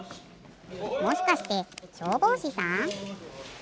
もしかしてしょうぼうしさん？